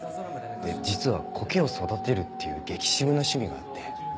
実は苔を育てるっていう激渋な趣味があって。